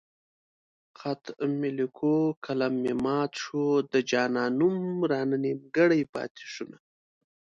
خط مې ليکو قلم مې مات شو د جانان نوم رانه نيمګړی پاتې شونه